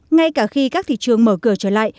ngay cả khi các thị trường mở cửa trở lại